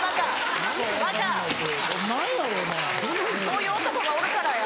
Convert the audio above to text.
そういう男がおるからや。